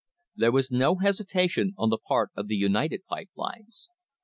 There was no hesitation on the part of the United Pipe Lines.